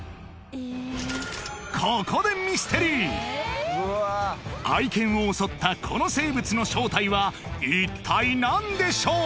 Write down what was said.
ここでミステリー愛犬を襲ったこの生物の正体は一体何でしょう？